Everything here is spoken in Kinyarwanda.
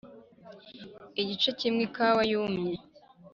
igice kimwe ikawa yumye